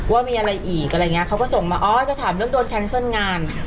ว่ามีอะไรอีกอะไรอย่างเงี้เขาก็ส่งมาอ๋อจะถามเรื่องโดนแคนเซิลงาน